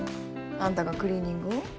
あんたがクリーニングを？